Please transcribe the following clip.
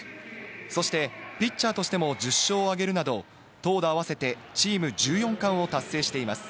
そしてピッチャーとしても１０勝を挙げるなど、投打合わせて、チーム１４冠を達成しています。